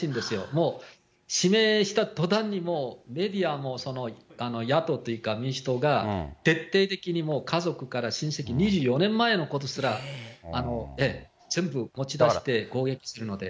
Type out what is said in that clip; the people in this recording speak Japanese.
もう指名したとたんにもうメディアもその野党というか、民主党が徹底的に家族から親戚、２４年前のことすら、全部持ち出して攻撃するので。